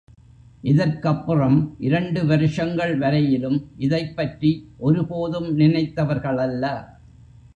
இதற்கப்புறம் இரண்டு வருஷங்கள் வரையிலும் இதைப்பற்றி ஒருபோதும் நினைத்தவர்களல்ல.